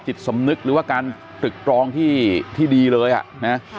จิตสำนึกหรือว่าการตรึกตรองที่ดีเลยอ่ะนะ